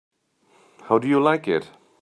How do you like it?